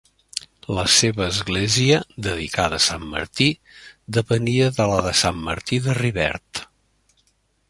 La seva església, dedicada a sant Martí, depenia de la de Sant Martí de Rivert.